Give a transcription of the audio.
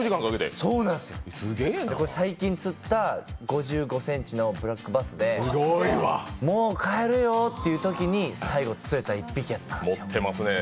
これ、最近釣った５５ｃｍのブラックバスで、もう帰るよっていうときに釣れた１匹だったんですよ。